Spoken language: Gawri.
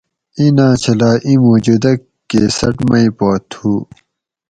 ایناں چھلائ ایں موجودہ کیسٹ مئ پا تھو